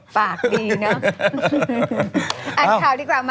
ปากดีเนาะ